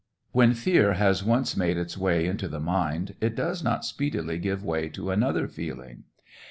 When fear has once made its way into the mind, it does not speedily give way to another feeling.